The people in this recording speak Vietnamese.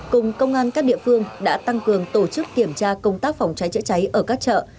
cùng công an các địa phương đã tăng cường tổ chức kiểm tra công tác phòng cháy chữa cháy ở các chợ